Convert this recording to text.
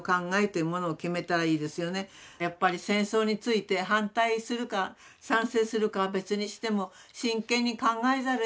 やっぱり戦争について反対するか賛成するかは別にしても真剣に考えざるをえないと思う。